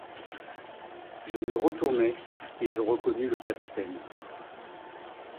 Je me retournai et je reconnus le capitaine.